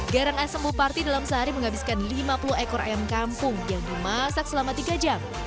garang asem buparti dalam sehari menghabiskan lima puluh ekor ayam kampung yang dimasak selama tiga jam